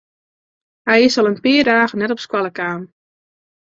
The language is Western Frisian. Hy is al in pear dagen net op skoalle kaam.